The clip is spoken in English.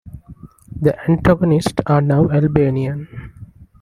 The antagonists are now Albanian.